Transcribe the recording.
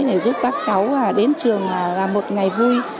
để giúp các cháu đến trường một ngày vui